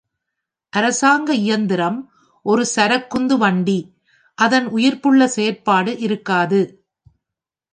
அரசாங்க இயந்திரம் ஒரு சரக்குந்து வண்டி, அதன் உயிர்ப்புள்ள செயற்பாடு இருக்காது.